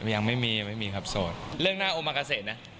ยังไม่มียังไม่มีครับโสดเรื่องหน้าโอมากาเศษนะ